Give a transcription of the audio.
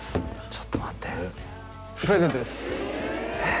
ちょっと待ってプレゼントですえっ？